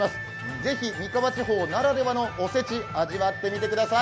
ぜひ三河地方ならではのおせち、味わってみてください。